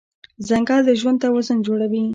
ځنګل د ژوند توازن جوړوي.